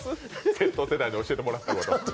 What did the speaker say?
Ｚ世代に教えてもらったこと。